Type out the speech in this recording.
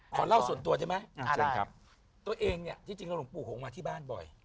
ขอเล่าส่วนตัวได้ไหมตัวเองเนี่ยที่จริงลุงปู่หงมาที่บ้านบ่อย